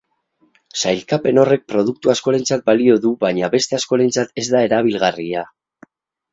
Sailkapen horrek produktu askorentzat balio du baina beste askorentzat ez da erabilgarria.